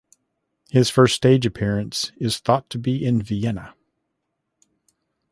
His first stage appearance is thought to be in Vienna.